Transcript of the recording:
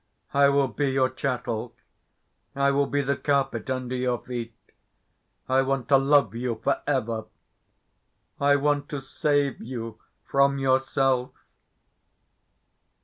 I will be your chattel. I will be the carpet under your feet. I want to love you for ever. I want to save you from yourself.